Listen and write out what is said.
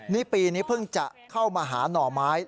นี่ปีนี้เพิ่งจะเข้ามาหาหน่อไม้